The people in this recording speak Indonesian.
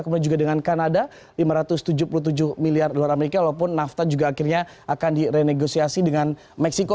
kemudian juga dengan kanada lima ratus tujuh puluh tujuh miliar dolar amerika walaupun nafta juga akhirnya akan direnegosiasi dengan meksiko